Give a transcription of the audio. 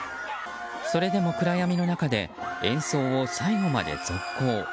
それでも暗闇の中で演奏を最後まで続行。